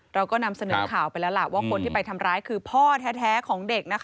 เราก็นำเสนอข่าวไปแล้วล่ะว่าคนที่ไปทำร้ายคือพ่อแท้ของเด็กนะคะ